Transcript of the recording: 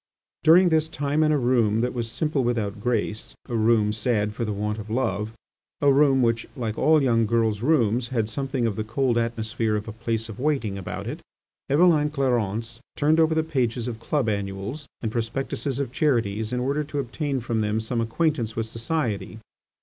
During this time in a room that was simple without grace, a room sad for the want of love, a room which, like all young girls' rooms, had something of the cold atmosphere of a place of waiting about it, Eveline Clarence turned over the pages of club annuals and prospectuses of charities in order to obtain from them some acquaintance with society.